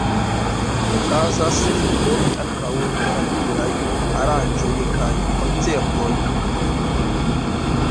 Okazas surloke ankaŭ literaturaj aranĝoj kaj koncertoj.